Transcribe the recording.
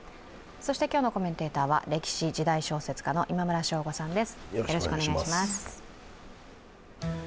そして今日のコメンテーターは歴史・時代小説家の今村翔吾さんです